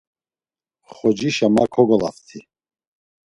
Xocişa ma kogolaft̆i.